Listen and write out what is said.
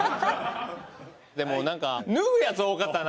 でも何か脱ぐやつ多かったな。